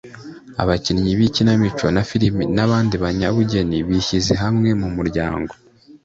abakinnyi b’ikinamico na filimi n’abandi banyabugeni bishyize hamwe mu muryango